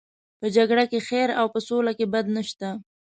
په جګړه کې خیر او په سوله کې بد نشته.